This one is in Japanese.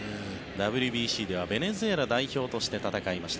ＷＢＣではベネズエラ代表として戦いました